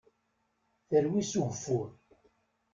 Terwi s ugeffur.